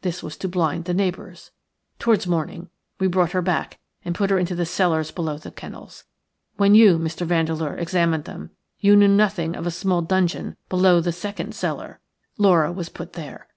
This was to blind the neighbours. Towards morning we brought her back and put her into the cellars below the kennels. When you, Mr. Vandeleur, examined them, you knew nothing of a small dungeon below the second cellar. Laura was put there.